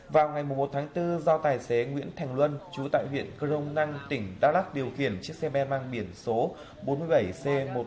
vào ngày một một bốn do tài xế nguyễn thành luân chú tại huyện crong năng tỉnh đà lạt điều khiển chiếc xe ben mang biển số bốn mươi bảy c một mươi một nghìn hai trăm tám mươi chín